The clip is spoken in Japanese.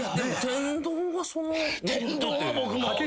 天丼はそのう。